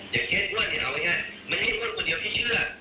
อย่างเค้นอ้วนอย่างเงี้ยมันมีคนคนเดียวที่เชื่อ